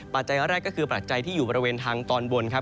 จัยแรกก็คือปัจจัยที่อยู่บริเวณทางตอนบนครับ